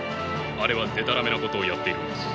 あれはでたらめなことをやっているのです。